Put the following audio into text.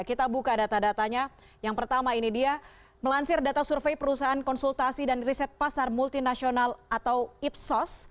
kita buka data datanya yang pertama ini dia melansir data survei perusahaan konsultasi dan riset pasar multinasional atau ipsos